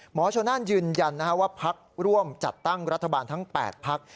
โชน่านยืนยันว่าพักร่วมจัดตั้งรัฐบาลทั้ง๘พัก